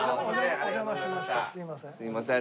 すいません。